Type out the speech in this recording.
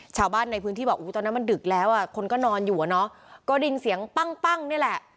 ชาวบ้านในพื้นที่บอกตอนนั้นมันดึกแล้วอ่ะคนก็นอนอยู่อ่ะเนอะก็ได้ยินเสียงปั้งปั้งนี่แหละ